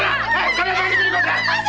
jangan ikut campur ya ini urusan keluarga kami